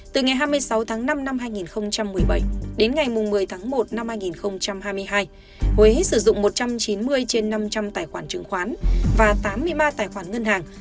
từ ngày hai mươi sáu tháng năm năm hai nghìn một mươi bảy đến ngày một mươi tháng một năm hai nghìn hai mươi hai huế sử dụng một trăm chín mươi trên năm trăm linh tài khoản chứng khoán và tám mươi ba tài khoản ngân hàng